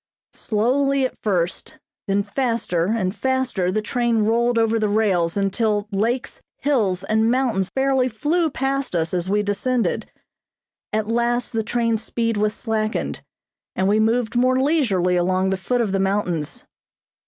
Slowly at first, then faster and faster the train rolled over the rails until lakes, hills and mountains fairly flew past us as we descended. At last the train's speed was slackened, and we moved more leisurely along the foot of the mountains.